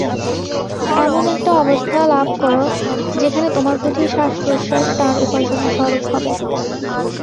এমন একটা অবস্থা লাভ কর, যেখানে তোমার প্রতি শ্বাসপ্রশ্বাস তাঁর উপাসনা-স্বরূপ হবে।